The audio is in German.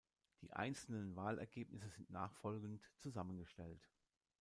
Die einzelnen Wahlergebnisse sind nachfolgend zusammengestellt.